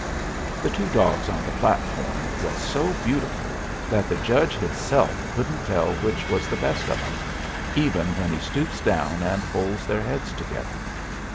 The two dogs on the platform was so beautiful that the judge hisself couldn't tell which was the best of 'em, even when he stoops down and holds their heads together.